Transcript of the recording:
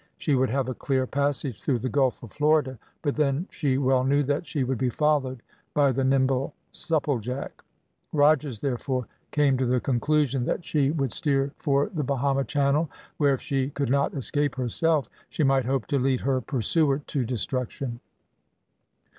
She would have a clear passage through the Gulf of Florida, but then she well knew that she would be followed by the nimble Supplejack. Rogers, therefore, came to the conclusion that she would steer for the Bahama Channel, where, if she could not escape herself, she might hope to lead her pursuer to destruction.